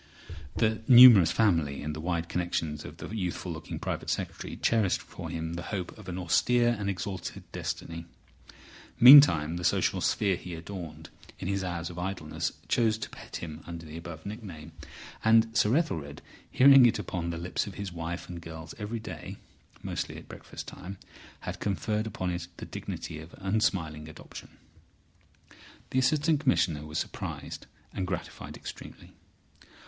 The numerous family and the wide connections of the youthful looking Private Secretary cherished for him the hope of an austere and exalted destiny. Meantime the social sphere he adorned in his hours of idleness chose to pet him under the above nickname. And Sir Ethelred, hearing it on the lips of his wife and girls every day (mostly at breakfast time), had conferred upon it the dignity of unsmiling adoption. The Assistant Commissioner was surprised and gratified extremely.